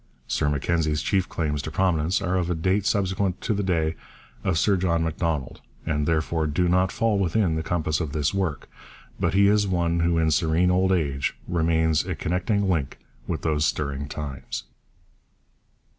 Sir Mackenzie's chief claims to prominence are of a date subsequent to the day of Sir John Macdonald and therefore do not fall within the compass of this work; but he is one who in serene old age remains a connecting link with those stirring times.